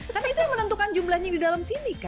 karena itu yang menentukan jumlahnya di dalam sini kan